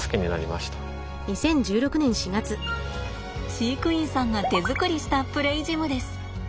飼育員さんが手作りしたプレイジムです。